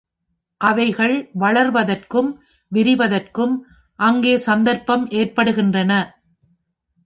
அவைகள் வளர்வதற்கும் விரிவதற்கும் அங்கே சந்தர்ப்பம் ஏற்படுகின்றன.